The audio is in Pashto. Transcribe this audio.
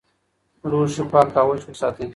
لوښي پاک او وچ وساتئ.